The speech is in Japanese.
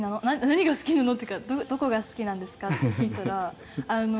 「何が好きなの？」っていうか「どこが好きなんですか？」って聞いたら。